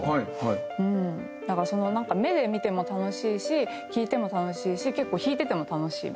だから目で見ても楽しいし聴いても楽しいし結構弾いてても楽しい。